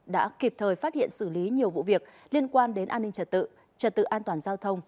đã kịp thời phát hiện xử lý nhiều vụ việc liên quan đến an ninh trật tự trật tự an toàn giao thông